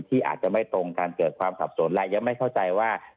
ที่อาจจะไม่ตรงกันเกิดความสับสนและยังไม่เข้าใจว่า